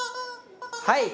はい！